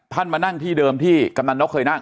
มานั่งที่เดิมที่กำนันนกเคยนั่ง